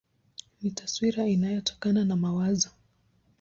Ni taswira inayotokana na mawazo.